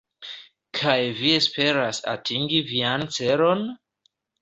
Kaj vi esperas atingi vian celon?